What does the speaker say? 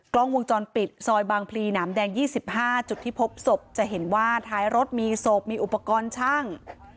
กล้องวงจรปิดซอยบางพลีหนามแดง๒๕จุดที่พบศพจะเห็นว่าท้ายรถมีศพมีอุปกรณ์ช่าง